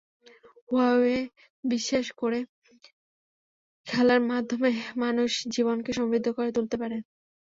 Huawei বিশ্বাস করে খেলার মাধ্যমে মানুষ জীবনকে সমৃদ্ধ করে তুলতে পারে।